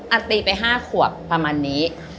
ตีไป๕ขวบประมาณนี้